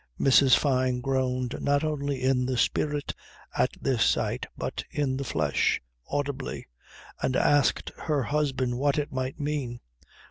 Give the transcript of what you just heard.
Mrs. Fyne groaned not only in the spirit, at this sight, but in the flesh, audibly; and asked her husband what it might mean.